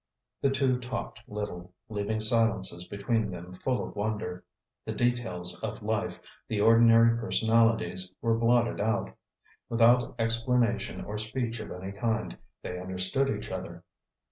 The two talked little, leaving silences between them full of wonder. The details of life, the ordinary personalities, were blotted out. Without explanation or speech of any kind, they understood each other.